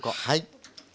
はい。